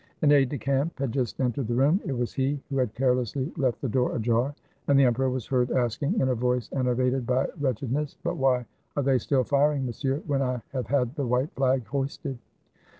An aide de camp had just entered the room ■— it was he who had carelessly left the door ajar — and the em peror was heard asking in a voice enervated by wretched ness: "But why are they still firing, monsieur, when I have had the white flag hoisted?"